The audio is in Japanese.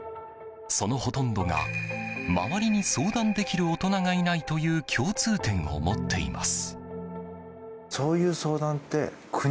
そのほとんどが、周りに相談できる大人がいないという共通点を持っています。